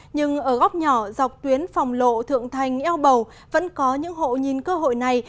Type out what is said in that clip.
nhưng ở góc nhỏ dọc tuyến phòng lộ thượng thành eo bầu vẫn có những hộ nhìn cơ hội này